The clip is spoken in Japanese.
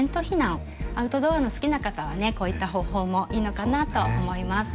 アウトドアの好きな方はねこういった方法もいいのかなと思います。